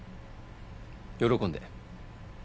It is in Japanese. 喜んで。